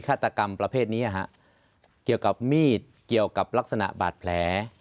ฆาตกรรมประเภทนี้เกี่ยวกับมีดเกี่ยวกับลักษณะบาดแผล